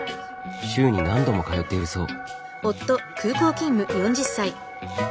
週に何度も通っているそう。